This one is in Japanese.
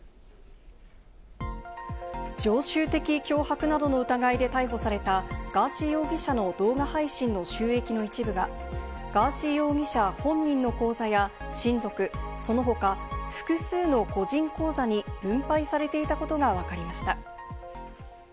常習的脅迫などの疑いで逮捕された、ガーシー容疑者の動画配信の収益の一部がガーシー容疑者本人の口座や親族その他、複数の個人口座に分配されていたことがわかりました。